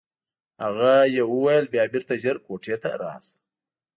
هغه یې وویل بیا بېرته ژر کوټې ته راشه.